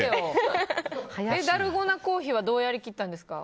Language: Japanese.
ダルゴナコーヒーはどうやりきったんですか？